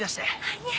いえ。